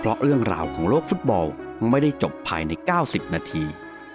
เพราะเรื่องราวของโลกฟุตบอลไม่ได้จบภายใน๙๐นาที